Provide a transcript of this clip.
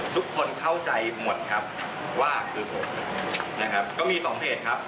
ทุกคนเข้าใจหมดครับว่าคือผมนะครับก็มีสองเหตุครับ